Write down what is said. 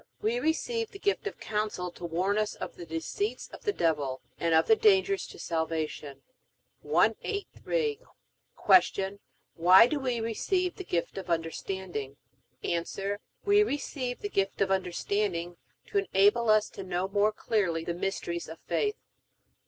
We receive the gift of Counsel to warn us of the deceits of the devil, and of the dangers to salvation. 183. Q. Why do we receive the gift of Understanding? A. We receive the gift of Understanding to enable us to know more clearly the mysteries of faith.